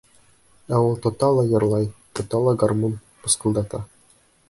Ә ул тота ла йырлай, тота ла гармун пысҡылдата.